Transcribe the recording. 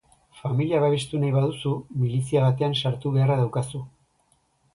Familia babestu nahi baduzu, milizia batean sartu beharra daukazu.